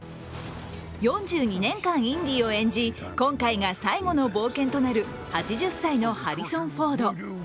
４２年間インディを演じ今回が最後の冒険となる８０歳のハリソン・フォード。